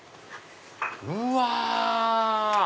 うわ！